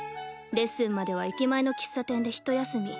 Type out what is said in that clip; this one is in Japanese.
レッスンまでは駅前の喫茶店でひと休み。